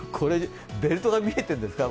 ベルトが見えてるんですか？